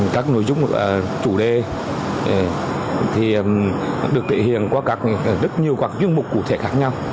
các nội dung chủ đề được thể hiện qua rất nhiều các chuyên mục cụ thể khác nhau